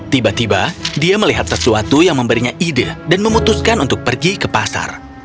tiba tiba dia melihat sesuatu yang memberinya ide dan memutuskan untuk pergi ke pasar